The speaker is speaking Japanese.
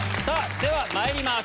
ではまいります！